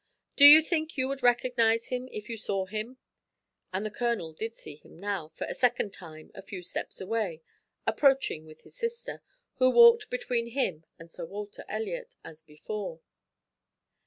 Do you think you would recognize him if you saw him?" And the Colonel did see him now, for the second time, a few steps away, approaching with his sister, who walked between him and Sir Walter Elliot, as before.